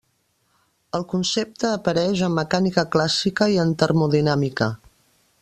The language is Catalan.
El concepte apareix en mecànica clàssica i en termodinàmica.